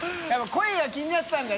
声が気になってたんだ！